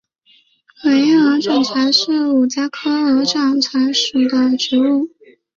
尾叶鹅掌柴是五加科鹅掌柴属的植物。